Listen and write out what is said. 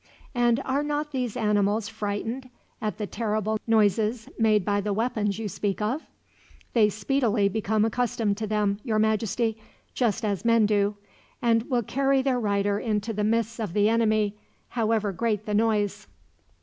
"And are not these animals frightened at the terrible noises made by the weapons you speak of?" "They speedily become accustomed to them, Your Majesty, just as men do; and will carry their rider into the midst of the enemy, however great the noise.